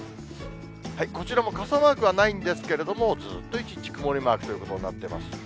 こちらも傘マークはないんですけれども、ずーっと一日曇りマークということになってます。